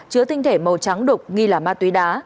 chứa tinh thể màu trắng đục nghi là ma túy đá